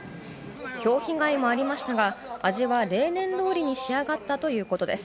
ひょう被害もありましたが味は例年どおりに仕上がったということです。